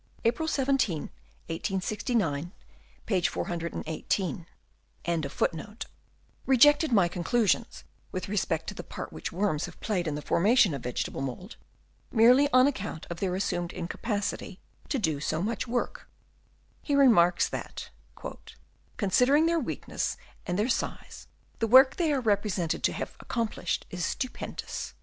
1877, p. 361. 6 INTRODUCTION. In the year 1869, Mr. Fish* rejected my conclusions with respect to the part which worms have played in the formation of veget able mould, merely on account of their assumed incapacity to do so much work. He remarks that "considering their weakness and their " size, the work they are represented to " have accomplished is stupendous."